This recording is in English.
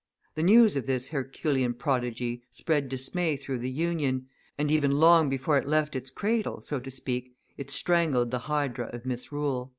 The news of this Herculean prodigy spread dismay through the Union, and even long before it left its cradle, so to speak, it strangled the Hydra of misrule."